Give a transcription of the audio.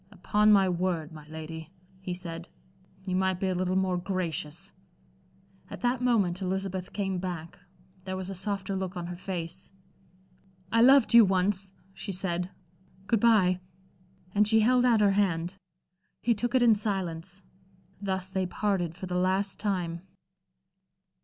"Upon my word, my lady," he said, "you might be a little more gracious." At that moment Elizabeth came back. There was a softer look on her face. "I loved you once," she said. "Good bye." And she held out her hand. He took it in silence. Thus they parted for the last time.